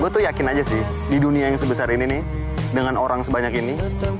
gue tuh yakin aja sih di dunia yang sebesar ini nih dengan orang sebanyak ini